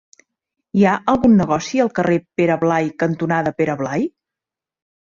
Hi ha algun negoci al carrer Pere Blai cantonada Pere Blai?